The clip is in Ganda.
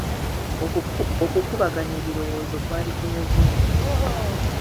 Okukubaganya ebirowoozo kwali kunyuvu nnyo.